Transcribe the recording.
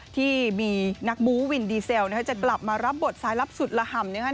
ที่มีนักบู้วินดีเซลจะกลับมารับบทสายลับสุดละห่ำนะครับ